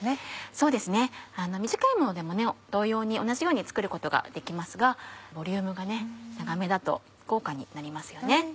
そうですね短いものでも同様に同じように作ることができますがボリュームが長めだと豪華になりますよね。